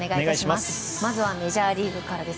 まずはメジャーリーグからです。